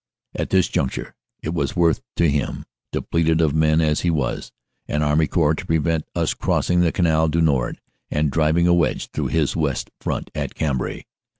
At this juncture it was worth to him, depleted of men as he was, an Army Corps to prevent us crossing the Canal du Nord and driving a wedge through his West Front at Cambrai.